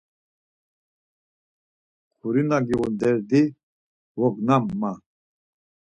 “Guri na giğun derdi, vognam ma.”